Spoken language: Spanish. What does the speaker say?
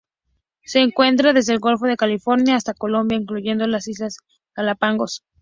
Se encuentra desde el Golfo de California hasta Colombia, incluyendo las Islas Galápagos.